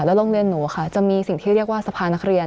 โรงเรียนหนูค่ะจะมีสิ่งที่เรียกว่าสะพานนักเรียน